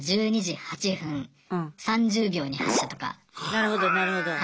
なるほどなるほど。